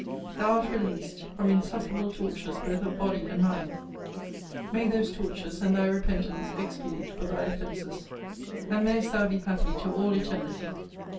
Thou art released from insufferable tortures both of body and mind! may those tortures, and thy repentance, expiate for thy offences, and mayest thou be happy to all eternity!